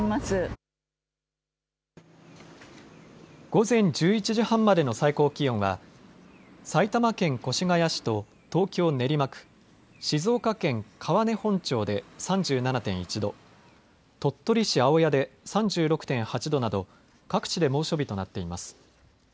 午前１１時半までの最高気温は埼玉県越谷市と東京練馬区、静岡県川根本町で３７．１度、鳥取市青谷で３６．８度など各地で猛暑日となっています。